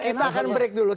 kita akan break dulu